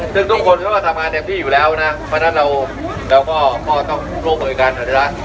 ทุกคนก็จะทำงานแบบที่อยู่แล้วนะเพราะฉะนั้นเราก็ต้องร่วมกันเหมือนกันนะ